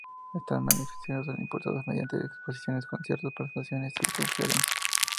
Estas manifestaciones son impulsadas mediante exposiciones, conciertos, presentaciones, y conferencias.